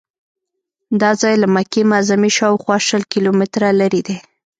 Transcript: دا ځای له مکې معظمې شاوخوا شل کیلومتره لرې دی.